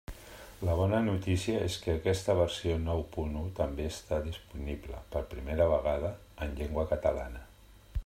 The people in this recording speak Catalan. La bona notícia és que aquesta versió nou punt u també està disponible, per primera vegada, en llengua catalana.